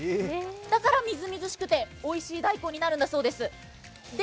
だからみずみずしくておいしい大根になるんだそうです。